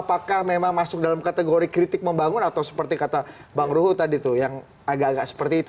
apakah memang masuk dalam kategori kritik membangun atau seperti kata bang ruhut tadi tuh yang agak agak seperti itu